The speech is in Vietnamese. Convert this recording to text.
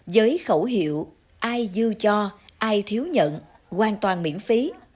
giới khẩu hiệu ai dư cho ai thiếu nhận hoàn toàn miễn phí